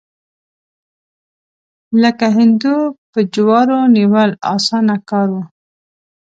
لکه هندو په جوارو نیول، اسانه کار و.